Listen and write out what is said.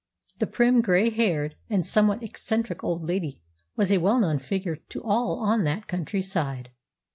The prim, grey haired, and somewhat eccentric old lady was a well known figure to all on that country side.